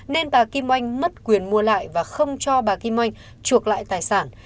nên bà kim oanh mất quyền mua lại và không cho bà kim oanh chuộc lại tài sản